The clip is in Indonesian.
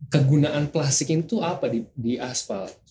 kegunaan plastik itu apa di asfal